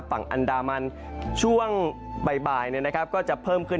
ฝั่งอันดามันช่วงบ่ายก็จะเพิ่มขึ้น